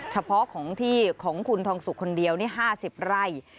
เฉพาะของที่ของคุณทองสุกคนเดียวนี่๕๐ไร่